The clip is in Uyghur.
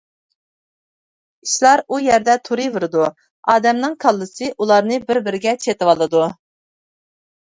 ئىشلار ئۇ يەردە تۇرۇۋېرىدۇ، ئادەمنىڭ كاللىسى ئۇلارنى بىر-بىرىگە چېتىۋالىدۇ.